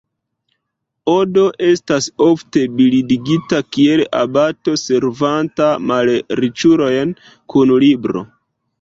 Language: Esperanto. Odo estas ofte bildigita kiel abato servanta malriĉulojn kun libro.